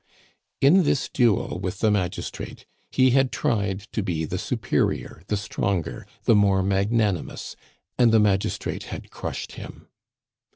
In this duel with the magistrate he had tried to be the superior, the stronger, the more magnanimous, and the magistrate had crushed him.